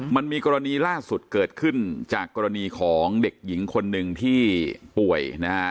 มันมีกรณีล่าสุดเกิดขึ้นจากกรณีของเด็กหญิงคนหนึ่งที่ป่วยนะฮะ